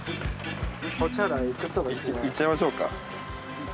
行っちゃいましょうか。